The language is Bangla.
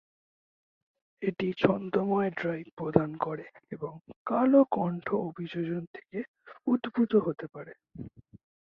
এটি ছন্দময় ড্রাইভ প্রদান করে এবং কালো কণ্ঠ অভিযোজন থেকে উদ্ভূত হতে পারে।